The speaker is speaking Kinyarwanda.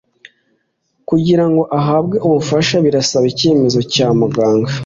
Kugira ngo ahabwe ubufasha birasaba icyemezo Cya Muganga